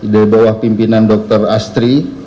di bawah pimpinan dr astri